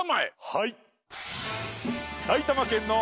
はい。